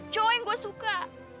cowok yang gue suka